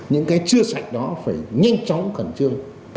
những cái chưa sạch đó phải nhanh chóng khẩn trương